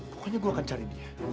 pokoknya gue akan cari dia